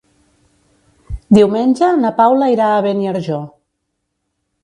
Diumenge na Paula irà a Beniarjó.